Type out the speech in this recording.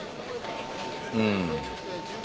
うん。